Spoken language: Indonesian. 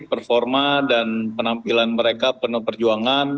performa dan penampilan mereka penuh perjuangan